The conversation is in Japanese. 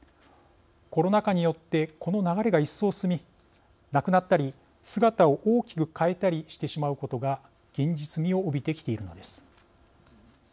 コロナ禍によってこの流れが一層進みなくなったり姿を大きく変えたりしてしまうことが現実味を帯びてきているのです。